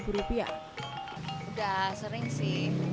favoritnya apa sih gulai